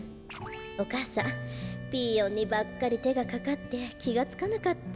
お母さんピーヨンにばっかりてがかかってきがつかなかった。